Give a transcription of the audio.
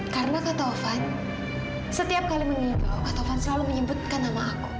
karena kak taufan setiap kali mengigau kak taufan selalu menyebutkan nama aku